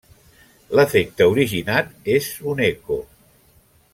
L'efecte originat és un eco.